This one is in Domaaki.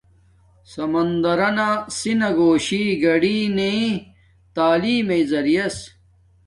سمندرانا سنہ گھوشی گاڈی نے تعلیم میݵ زریعس